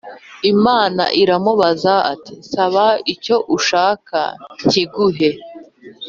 Imana iramubaza iti “Nsaba icyo ushaka nkiguhe”